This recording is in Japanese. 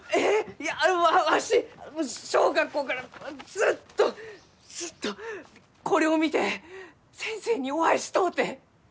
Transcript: いやわし小学校からずっとずっとこれを見て先生にお会いしとうて！